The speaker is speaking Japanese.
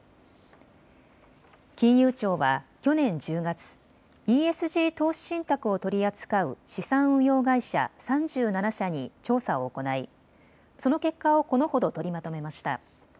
金融庁は去年１０月、ＥＳＧ投資信託を取り扱う資産運用会社３７社に調査を行いその結果をこのほど、取りまとめました。